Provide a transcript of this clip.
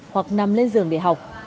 hoặc nằm lên giường để học